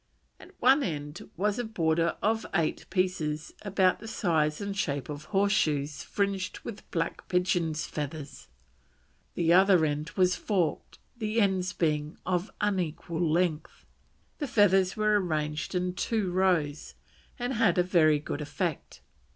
At one end was a border of eight pieces about the size and shape of horse shoes fringed with black pigeon's feathers; the other end was forked, the ends being of unequal length. The feathers were arranged in two rows and had a very good effect.